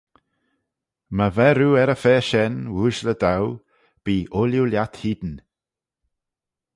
My ver oo er-y-fa shen ooashley dou bee ooilley lhiat hene.